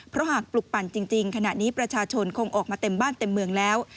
เพราะหากปลุกปั่นจริงขณะนี้ประชาชนคงออกมาเต็มบ้านเต็มเมืองแล้ว